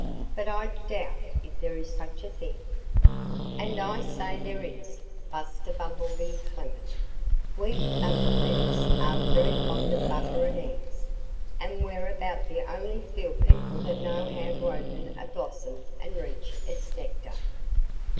"But I doubt if there is such a thing." "And I say there is!" Buster Bumblebee clamored. "We Bumblebees are very fond of butter and eggs. And we're about the only field people that know how to open a blossom and reach its nectar."